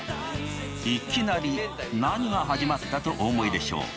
いきなり何が始まったとお思いでしょう。